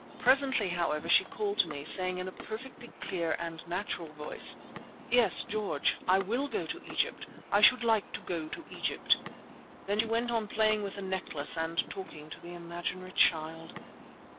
Presently, however, she called to me, saying in a perfectly clear and natural voice: "'Yes, George, I will go to Egypt. I should like to go to Egypt.' Then she went on playing with the necklace and talking to the imaginary child.